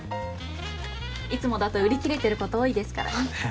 いつもだと売り切れてること多いですからね。